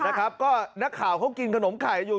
นะครับก็นักข่าวเขากินขนมไข่อยู่